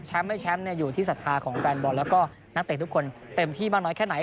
ไม่แชมป์อยู่ที่ศรัทธาของแฟนบอลแล้วก็นักเตะทุกคนเต็มที่มากน้อยแค่ไหน